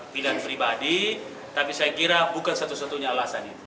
pilihan pribadi tapi saya kira bukan satu satunya alasan itu